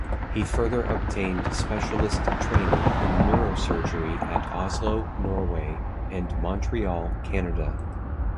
He further obtained specialist training in neurosurgery at Oslo, Norway and Montreal, Canada.